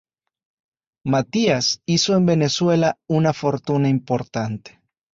Matías hizo en Venezuela una fortuna importante.